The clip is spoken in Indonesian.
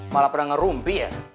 malah pedang ngerumpi ya